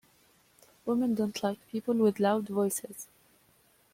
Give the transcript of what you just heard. Women don't like people with loud voices.